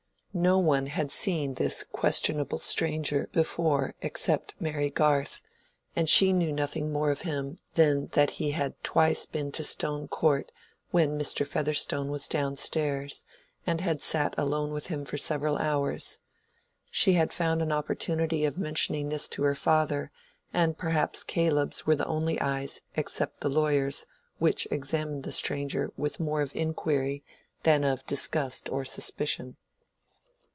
No one had seen this questionable stranger before except Mary Garth, and she knew nothing more of him than that he had twice been to Stone Court when Mr. Featherstone was down stairs, and had sat alone with him for several hours. She had found an opportunity of mentioning this to her father, and perhaps Caleb's were the only eyes, except the lawyer's, which examined the stranger with more of inquiry than of disgust or suspicion.